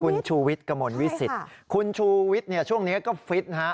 คุณชูวิทย์กระมวลวิสิตคุณชูวิทย์เนี่ยช่วงนี้ก็ฟิตฮะ